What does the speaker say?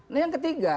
nah yang ketiga